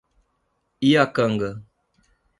Iacanga